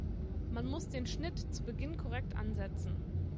Man muss den Schnitt zu Beginn korrekt ansetzen.